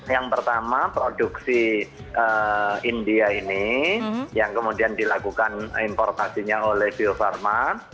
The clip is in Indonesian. yang pertama produksi india ini yang kemudian dilakukan importasinya oleh bio farma